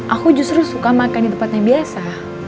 aku justru suka makan di tempat yang biasa